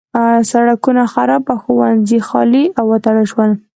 سړکونه خراب او ښوونځي خالي او وتړل شول.